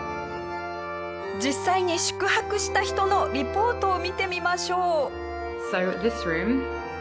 実際に宿泊した人のリポートを見てみましょう。